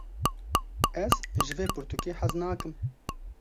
Ez ji vê pirtûkê hez nakim.